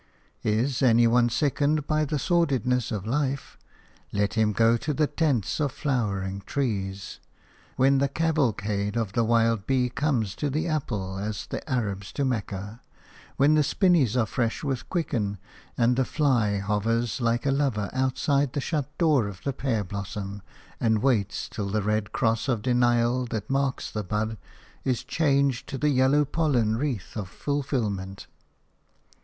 Is any one sickened by the sordidness of life? Let him go to the tents of flowering trees, when the cavalcade of the wild bee comes to the apple as the Arabs to Mecca, when the spinneys are fresh with quicken, and the fly hovers like a lover outside the shut door of the pear blossom and waits till the red cross of denial that marks the bud is changed to the yellow pollen wreath of fulfilment.